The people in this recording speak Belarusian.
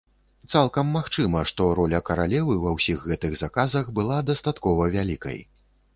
Цалкам магчыма, што роля каралевы ва ўсіх гэтых заказах была дастаткова вялікай.